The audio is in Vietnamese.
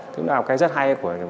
đó là một cái rất hay của